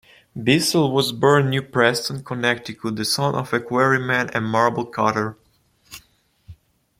Bissell was born New Preston, Connecticut, the son of a quarryman and marble-cutter.